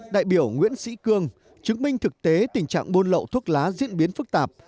đại biểu nguyễn sĩ cương chứng minh thực tế tình trạng buôn lậu thuốc lá diễn biến phức tạp